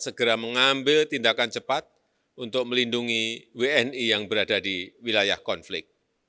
segera mengambil tindakan cepat untuk melindungi wni yang berada di wilayah konflik